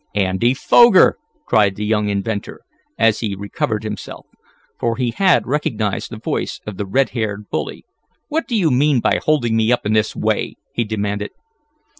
"Andy Foger!" cried the young inventor, as he recovered himself, for he had recognized the voice of the red haired bully. "What do you mean by holding me up in this way?" he demanded.